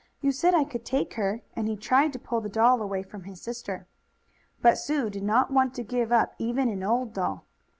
You said I could take her," and he tried to pull the doll away from his sister. But Sue did not want to give up even an old doll.